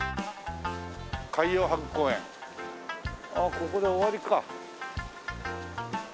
ここで終わりか。